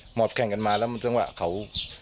หมอบแข้งกันมาแล้วมันจังหวะเขา